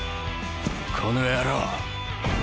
この野郎！